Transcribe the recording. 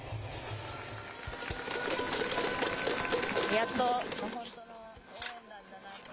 やっと本当の応援団だなって。